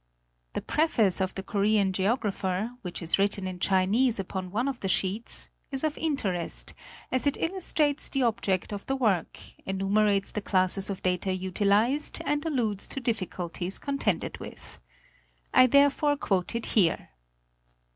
The preface of the Korean geographer, which is written in Chinese upon one of the sheets, is of interest, as it illustrates the object of the work, enumerates the classes of data utilized and alludes to difficulties contended with. I therefore quote it here.